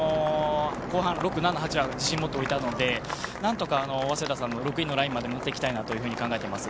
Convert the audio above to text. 後半、６、７、８は自信のある選手を置いたので何とか早稲田さんの６位のラインまで持っていきたいと考えています。